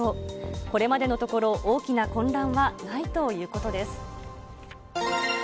これまでのところ、大きな混乱はないということです。